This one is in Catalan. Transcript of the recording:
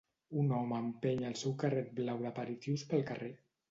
Un home empeny el seu carret blau d'aperitius pel carrer.